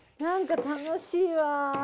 何か楽しいわ。